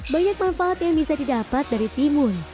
banyak manfaat yang bisa didapat dari timun